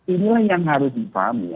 inilah yang harus dipahami